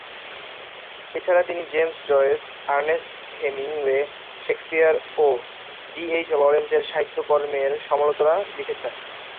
এছাড়া তিনি James Joyce, Ernest Hemingway, Shakespeare ও ডি এইচ লরেন্স এর সাহিত্যকর্মের সমালোচনা লিখেছেন।